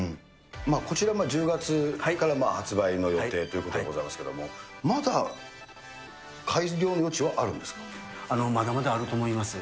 こちら、１０月から発売の予定ということでございますけれども、まだまだあると思います。